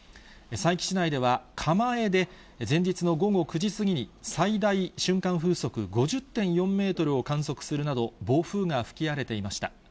佐伯市内では蒲江で前日の午後９時過ぎに、最大瞬間風速５０．４メートルを観測するなど、暴風が吹き荒れていました。